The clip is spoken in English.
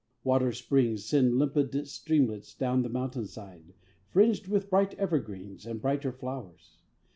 Water springs Send limpid streamlets down the mountain side, Fringed with bright evergreens, and brighter flowers.